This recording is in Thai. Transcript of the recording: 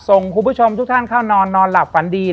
คุณผู้ชมทุกท่านเข้านอนนอนหลับฝันดี